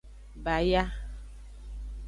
Baya.